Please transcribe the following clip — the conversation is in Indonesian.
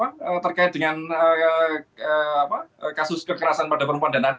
karena terkait dengan kasus kekerasan pada perempuan dan anak